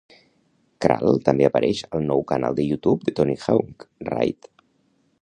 Krall també apareix al nou canal de YouTube de Tony Hawk, Ride.